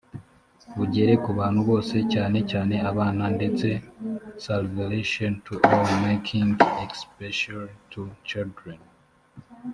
bugere ku bantu bose cyane cyane abana ndetse salvation to all mankind especially to children